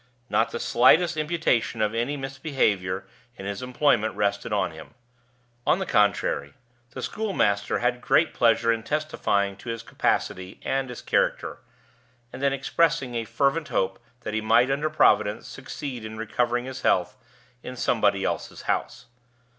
Not the slightest imputation of any misbehavior in his employment rested on him. On the contrary, the schoolmaster had great pleasure in testifying to his capacity and his character, and in expressing a fervent hope that he might (under Providence) succeed in recovering his health in somebody else's house.